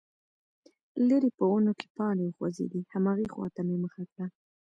ليرې په ونو کې پاڼې وخوځېدې، هماغې خواته مې مخه کړه،